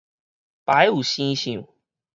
排有生相